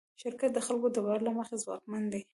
شرکت د خلکو د باور له مخې ځواکمن دی.